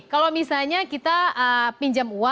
kalau misalnya kita pinjam